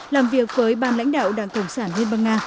làm việc với ban lãnh đạo đảng cộng sản liên bang nga